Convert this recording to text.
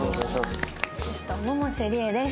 百瀬りえです。